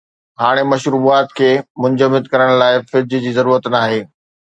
هاڻي مشروبات کي منجمد ڪرڻ لاءِ فرج جي ضرورت ناهي